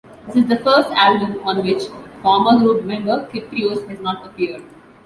This is the first album on which former group member Kyprios has not appeared.